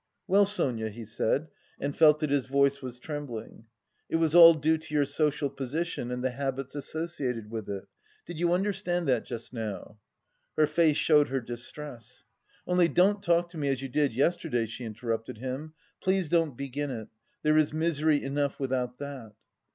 "Well, Sonia?" he said, and felt that his voice was trembling, "it was all due to 'your social position and the habits associated with it.' Did you understand that just now?" Her face showed her distress. "Only don't talk to me as you did yesterday," she interrupted him. "Please don't begin it. There is misery enough without that."